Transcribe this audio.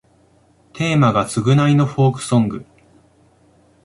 テーマが償いのフォークソング